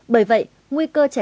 bởi vậy nguy cơ trẻ gặp nguy hiểm